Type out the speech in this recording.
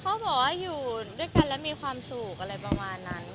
เขาบอกว่าอยู่ด้วยกันแล้วมีความสุขอะไรประมาณนั้น